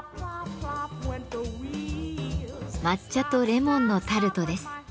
抹茶とレモンのタルトです。